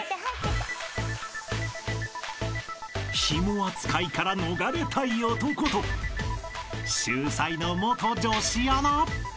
［ヒモ扱いから逃れたい男と秀才の元女子アナ］